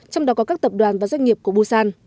trong đó có các tập đoàn và doanh nghiệp của busan